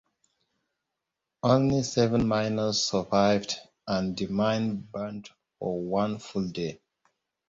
Only seven miners survived and the mine burned for one full day.